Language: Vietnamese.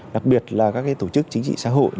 đặc biệt là các tổ chức chính trị xã hội